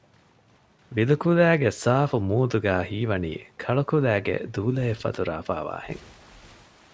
ވިލުކުލައިގެ ސާފު މޫދުގައި ހީވަނީ ކަޅުކުލައިގެ ދޫލައެއް ފަތުރައިފައިވާހެން